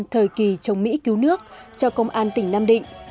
thời kỳ chống mỹ cứu nước cho công an tỉnh nam định